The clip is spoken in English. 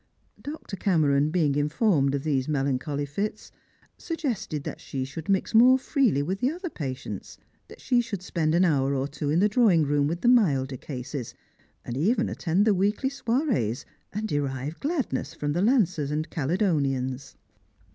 Dr. Cameron being informed of these melan choly fits, suggested that she should mix more freely with the other patients ; that she should spend an hour or two in the drawing room with the milder cases, and even attend the weekly soirees, and derive gladness from the Lancers and Caledonians.